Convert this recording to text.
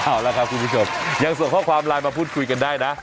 เอาละครับคุณผู้ชมยังส่งข้อความไลน์มาพูดคุยกันได้นะ